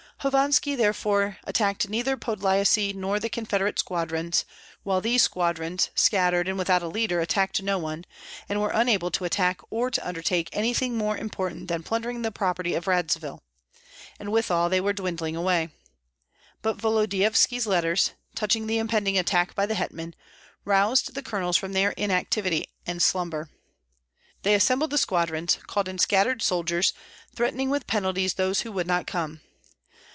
Hovanski therefore attacked neither Podlyasye nor the confederate squadrons, while these squadrons, scattered and without a leader, attacked no one, and were unable to attack or to undertake anything more important than plundering the property of Radzivill; and withal they were dwindling away. But Volodyovski's letters, touching the impending attack by the hetman, roused the colonels from their inactivity and slumber. They assembled the squadrons, called in scattered soldiers, threatening with penalties those who would not come.